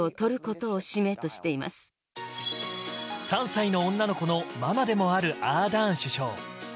３歳の女の子のママでもあるアーダーン首相。